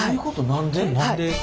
何で？